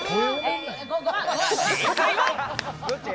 正解は。